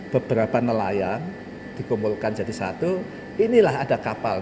beberapa nelayan dikumpulkan jadi satu inilah ada kapal